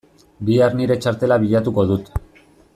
Bihar nire txartela bilatuko dut.